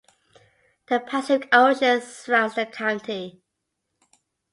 The Pacific Ocean surrounds the county.